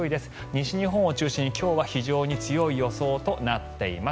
西日本を中心に今日は非常に強い予想となっています。